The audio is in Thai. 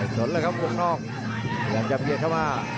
สนแล้วครับมุกนอกอยากจะเบียนเข้ามา